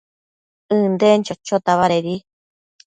ënden chochota badedi